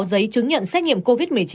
giấy chứng nhận xét nghiệm covid một mươi chín